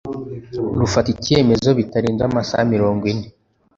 rufata icyemezo bitarenze amasaha mirongo ine